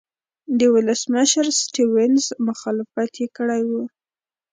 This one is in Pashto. د ولسمشر سټیونز مخالفت یې کړی و.